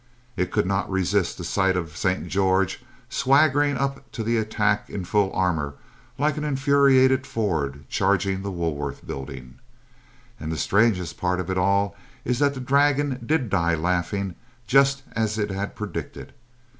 It could not resist the sight of St. George swaggering up to the attack in full armor like an infuriated Ford charging the Woolworth Building. And the strangest part of it all is that the dragon did die laughing just as it had predicted.